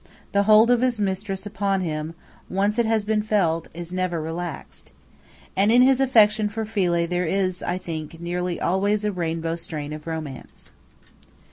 The hold of his mistress upon him, once it has been felt, is never relaxed. And in his affection for Philae there is, I think, nearly always a rainbow strain of romance.